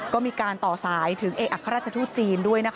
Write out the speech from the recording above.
ก็มีการต่อสายถึงเอกอัครราชทูตจีนด้วย